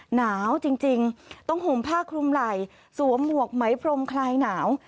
หนาวจริงต้องห่มผ้าคลุมไหล่สวมหมวกไหมพรมคลายหนาว